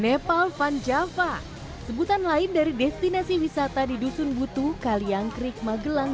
nepal vanjava sebutan lain dari destinasi wisata di dusun butuh kaliang krik magelang